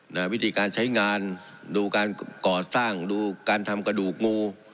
วิธีการใช้งานดูการก่อสร้างดูการทำกระดูกงู